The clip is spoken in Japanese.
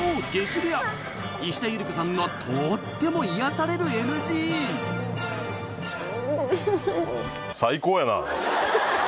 レア石田ゆり子さんのとっても癒やされるＮＧあごめんなさい